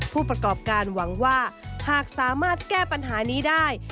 ผู้ประกอบการหวังว่าหากสามารถแก้ปัญหานี้ได้